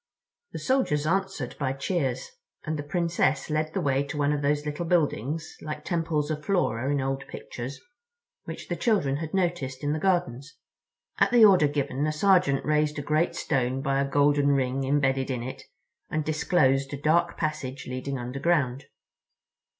The soldiers answered by cheers, and the Princess led the way to one of those little buildings, like Temples of Flora in old pictures, which the children had noticed in the gardens. At the order given a sergeant raised a great stone by a golden ring embedded in it and disclosed a dark passage leading underground.